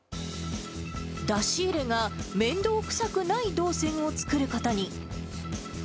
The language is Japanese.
出し入れが面倒くさくない動線を作ることに。